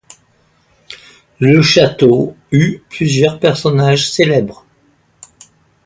Le château eut plusieurs personnages célèbres.